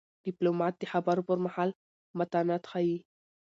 ډيپلومات د خبرو پر مهال متانت ښيي.